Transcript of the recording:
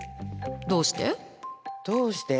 どうして？